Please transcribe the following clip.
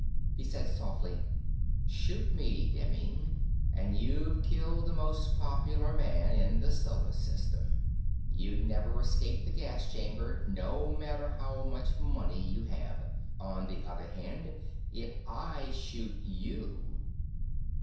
He said softly, "Shoot me, Demming, and you've killed the most popular man in the Solar System. You'd never escape the gas chamber, no matter how much money you have. On the other hand, if I shoot you